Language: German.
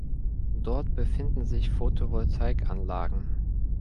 Dort befinden sich Photovoltaikanlagen.